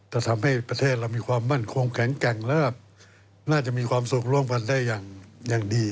จะทำให้ประเทศเรามีความมั่นคงแข็งแกร่งแล้วก็น่าจะมีความสุขร่วมกันได้อย่างดี